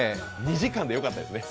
２時間でよかったですね。